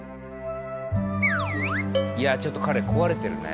いやちょっと彼壊れてるね。